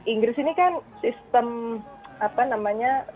inggris ini kan sistem apa namanya